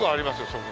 そこ。